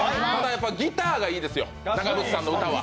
ギターがいいですよ、長渕さんの歌は。